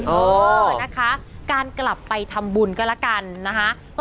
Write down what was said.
เออนะคะการกลับไปทำบุญก็แล้วกันนะคะ